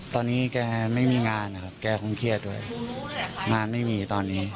ตอนนี้แกไม่มีงานนะครับแกคงเครียดด้วยงานไม่มีตอนนี้